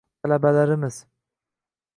Talabalarimiz